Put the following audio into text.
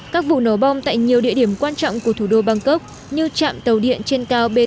các vụ nổ bom tại nhiều địa điểm quan trọng của thủ đô bangkok như trạm tàu điện trên cao bt